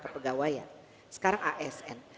kepegawaian sekarang asn